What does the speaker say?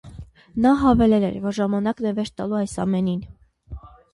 Նա հավելել էր, որ ժամանակն է վերջ տալու այս ամենին։